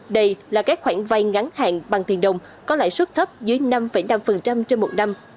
đây là các khoản vay ngắn hạn bằng tiền đồng có lãi suất thấp dưới năm năm trên một năm